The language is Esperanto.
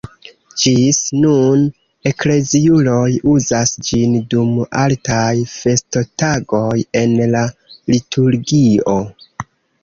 Ĝis nun ekleziuloj uzas ĝin dum altaj festotagoj en la liturgio.